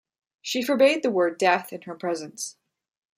She forbade the word "death" in her presence.